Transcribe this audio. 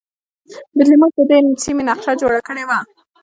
بطلیموس د دې سیمې نقشه جوړه کړې وه